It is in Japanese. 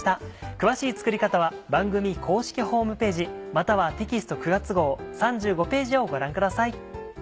詳しい作り方は番組公式ホームページまたはテキスト９月号３５ページをご覧ください。